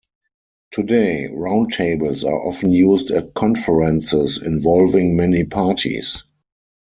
Today, round tables are often used at conferences involving many parties.